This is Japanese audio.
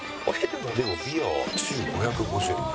でもビア中５５０円。